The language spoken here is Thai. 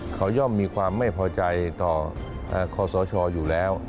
เขาย่อมมีความไม่พอใจต่อคอสชอยู่แล้ว